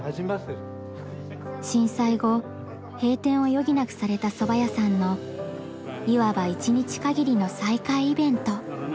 震災後閉店を余儀なくされたそば屋さんのいわば一日限りの再開イベント。